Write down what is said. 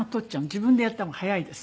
自分でやった方が早いです。